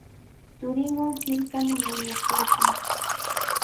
Turinwan hirkaman aywakurqan.